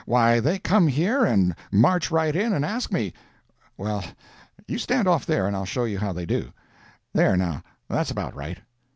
Why, they come here and march right in and ask me—well, you stand off there and I'll show you how they do. There, now, that's about right."